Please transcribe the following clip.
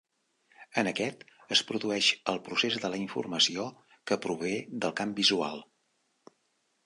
En aquest es produeix el procés de la informació que prové del camp visual.